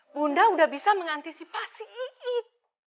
bunda udah bisa mengantisipasi iit